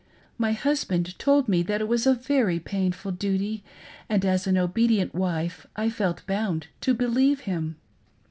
My husband told me that it was " a very painful duty," and as an obedient wife I felt bound to believe him.